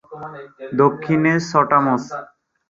দক্ষিণে স্টামশ।